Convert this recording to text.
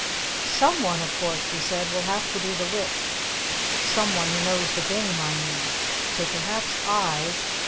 "Someone, of course," she said, "will have to be the Witch, someone who knows the Game, I mean, so perhaps I